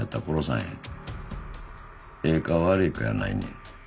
ええか悪いかやないねん。